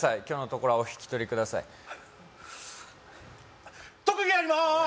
今日のところはお引き取りください特技やりまーす